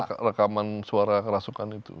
dan rekaman suara kerasukan itu